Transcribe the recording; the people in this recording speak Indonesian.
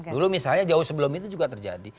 dulu misalnya jauh sebelum itu juga terjadi